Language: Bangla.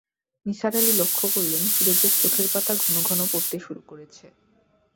নিসার আলি লক্ষ করলেন, ফিরোজের চোখের পাতা ঘনঘন পড়তে শুরু করেছে।